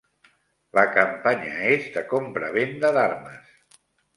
La campanya és de compravenda d'armes.